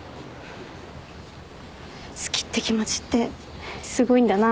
好きって気持ちってすごいんだな。